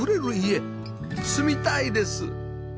住みたいです！